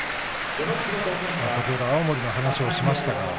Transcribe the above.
先ほど青森の話をしました。